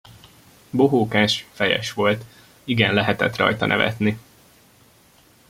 Bohókás, fejes volt; igen lehetett rajta nevetni.